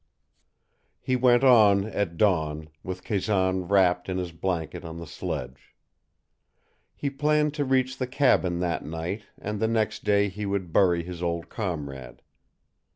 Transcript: He went on at dawn, with Kazan wrapped in his blanket on the sledge. He planned to reach the cabin that night, and the next day he would bury his old comrade.